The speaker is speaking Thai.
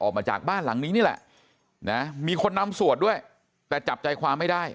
ออกมาจากบ้านหลังนี้นี่แหละนะมีคนนำสวดด้วยแต่จับใจความไม่ได้